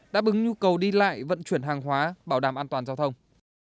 đã bứng nhu cầu đi lại vận chuyển hàng hóa bảo đảm an toàn giao thông